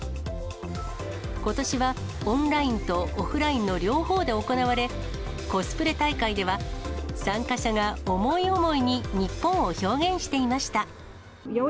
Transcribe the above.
ことしはオンラインとオフラインの両方で行われ、コスプレ大会では、参加者が思い思いに日本を表現していました。